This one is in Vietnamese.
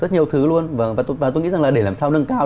rất nhiều thứ luôn và tôi nghĩ rằng là để làm sao nâng cao